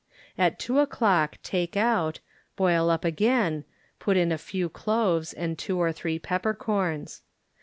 At 2 o'clock take out, boil up again, put in a few cloves and 2 or 3 peppercorns.